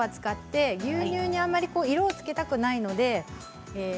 牛乳にあまり色をつけたくないので。